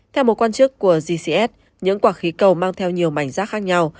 theo một quan chức của gcs những quả khí cầu mang theo nhiều mảnh rác khác nhau